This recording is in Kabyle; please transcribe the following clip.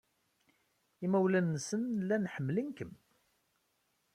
Imawlan-nsen llan ḥemmlen-kem.